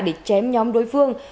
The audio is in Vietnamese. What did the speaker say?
để chém nhóm đối phương